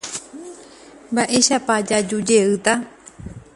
Mba'éichapa jajujeýta.